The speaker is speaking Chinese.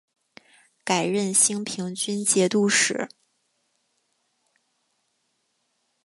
改任兴平军节度使。